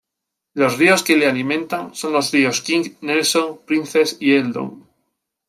Los ríos que le alimentan son los ríos King, Nelson, Princess y Eldon.